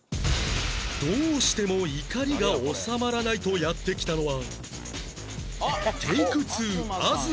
どうしても怒りが収まらないとやって来たのは